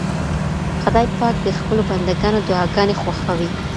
خدای پاک د خپلو بندګانو دعاګانې خوښوي.